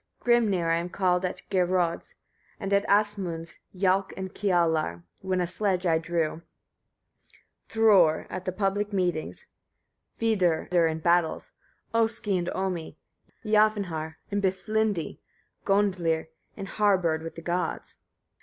49. Grimnir I am called at Geirröd's, and at Asmund's Jâlk and Kialar, when a sledge I drew; Thrôr at the public meetings, Vidur in battles, Oski and Omi, Jafnhâr and Biflindi, Gôndlir and Harbard with the gods.